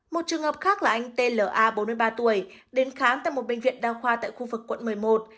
một trường hợp khác là anh t l a bốn mươi ba tuổi đến khám tại một bệnh viện đa khoa tại khu vực quận một mươi một